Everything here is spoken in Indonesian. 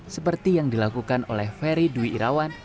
seperti yang dilakukan oleh ferry dwi irawan